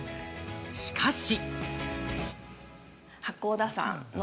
しかし。